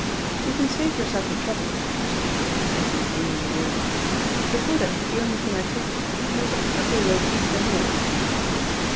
"You can save yourself the trouble," said the girl, as he was leaving the room. "The Buddha was the only thing I took, and it was an ugly little beast anyway."